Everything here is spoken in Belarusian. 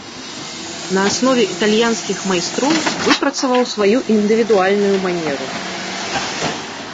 На аснове італьянскіх майстроў выпрацаваў сваю індывідуальную манеру.